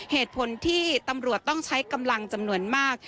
เหตุผลที่ตำรวจต้องใช้กำลังจำนวนมาก